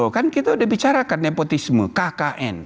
kan kita udah bicarakan nepotisme kkn